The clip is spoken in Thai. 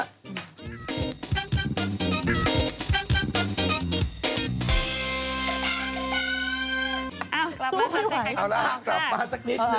อ้าวสู้ไม่ไหวเอาล่ะกลับมาสักนิดหนึ่ง